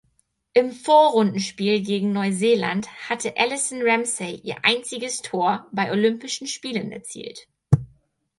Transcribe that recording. Im Vorrundenspiel gegen Neuseeland hatte Alison Ramsay ihr einziges Tor bei Olympischen Spielen erzielt.